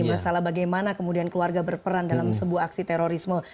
masalah bagaimana kemudian keluarga berperan dalam sebuah aksi terorisme